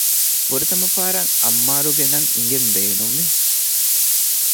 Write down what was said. ފުރަތަމަ ފަހަރަށް އައްމާރު ގެ ނަން އިނގެން ބޭނުންވި